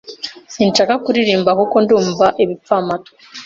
Sinshaka kuririmba, kuko ndumva-ibipfamatwi.